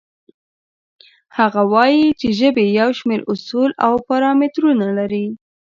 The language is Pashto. هغه وایي چې ژبې یو شمېر اصول او پارامترونه لري.